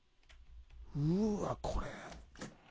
うわっこれ。